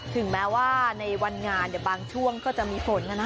ถึงแม้ว่าในวันงานบางช่วงก็จะมีฝนแล้วนะ